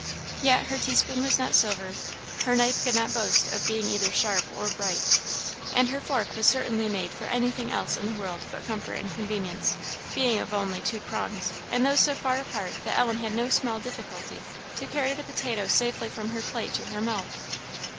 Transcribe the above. Yet her teaspoon was not silver; her knife could not boast of being either sharp or bright; and her fork was certainly made for anything else in the world but comfort and convenience, being of only two prongs, and those so far apart that Ellen had no small difficulty to carry the potato safely from her plate to her mouth.